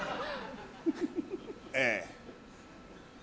ええ。